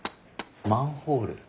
マンホール。